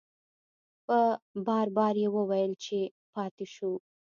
په بار بار یې وویل چې پاتې شو.